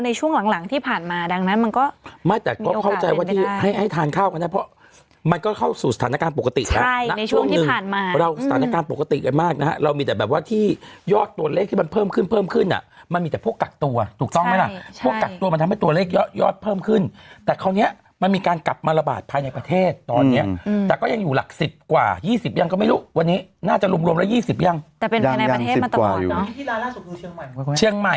เราสถานการณ์ปกติกันมากนะฮะเรามีแต่แบบว่าที่ยอดตัวเลขที่มันเพิ่มขึ้นเพิ่มขึ้นอ่ะมันมีแต่พวกกักตัวถูกต้องไหมล่ะพวกกักตัวมันทำให้ตัวเลขยอดยอดเพิ่มขึ้นแต่คราวเนี้ยมันมีการกลับมาระบาดภายในประเทศตอนเนี้ยอืมแต่ก็ยังอยู่หลักสิบกว่ายี่สิบยังก็ไม่รู้วันนี้น่าจะรวมรวม